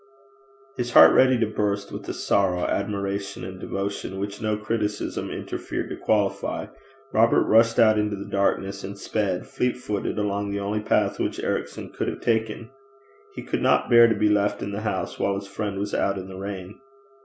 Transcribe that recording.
His heart ready to burst with a sorrow, admiration, and devotion, which no criticism interfered to qualify, Robert rushed out into the darkness, and sped, fleet footed, along the only path which Ericson could have taken. He could not bear to be left in the house while his friend was out in the rain.